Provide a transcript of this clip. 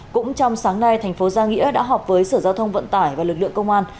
cũng trong sáng nay thành phố giang nghĩa đã họp với sở giao thông vận tải và lực lượng công an